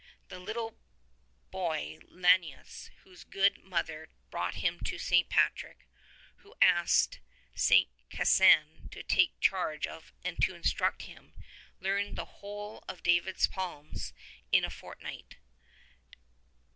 The little boy Lananus, whose good mother brought him to St. Patrick — ^who asked St. Cassan to take charge of and to instruct him — learned the whole of David's Psalms in a fortnight.